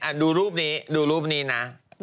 ดูรูปนี้ดูรูปนี้นะ